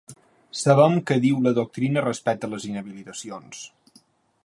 Sabem què diu la doctrina respecte de les inhabilitacions.